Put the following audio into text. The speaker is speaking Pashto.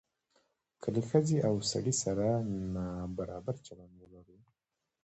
که له ښځې او سړي سره نابرابر چلند ولرو.